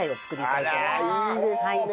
いいですね。